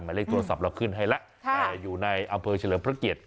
เลขโทรศัพท์เราขึ้นให้แล้วแต่อยู่ในอำเภอเฉลิมพระเกียรติ